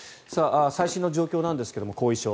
最新の状況なんですが、後遺症。